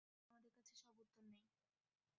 আমাদের কাছে সব উত্তর নেই।